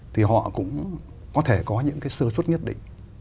thì họ cũng có thể có những cái sơ xuất nhất định